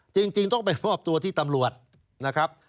จริงต้องไปมอบตัวที่ตำรวจนะครับ